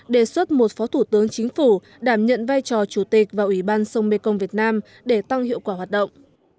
đề xuất một phó thủ tướng chính phủ đảm nhận vai trò chủ tịch vào ủy ban sông mekong việt nam để tăng hiệu quả hoạt động